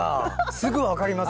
すぐ分かります。